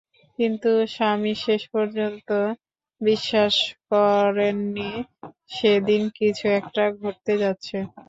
কিন্তু স্বামী শেষ মুহূর্ত পর্যন্ত বিশ্বাস করেননি সেদিন কিছু একটা ঘটতে যাচ্ছে।